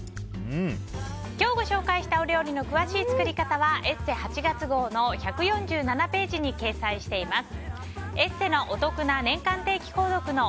今日ご紹介したお料理の詳しい作り方は「ＥＳＳＥ」８月号の１４７ページに掲載しています。